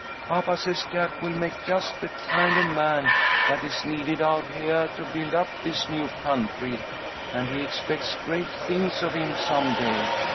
Papa says Jack will make just the kind of man that is needed out heah to build up this new country, and he expects great things of him some day.